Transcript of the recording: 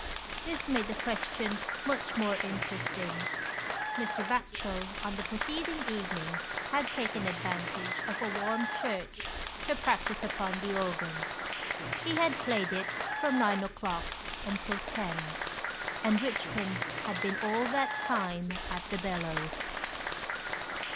This made the question much more inter esting. Mr. Batchel, on the preceding evening, had taken advantage of a warmed church to practise upon the organ. He had played it from nine o'clock until ten, and Richpin had been all that time at the bellows.